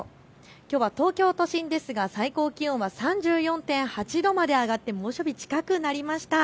きょうは東京都心ですが最高気温は３４．８度まで上がって猛暑日近くなりました。